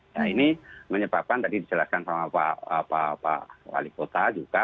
nah ini menyebabkan tadi dijelaskan sama pak wali kota juga